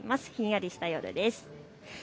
ひんやりした夜です。